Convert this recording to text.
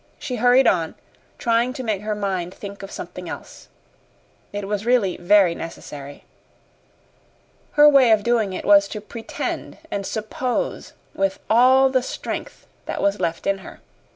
She hurried on, trying to make her mind think of something else. It was really very necessary. Her way of doing it was to "pretend" and "suppose" with all the strength that was left in her.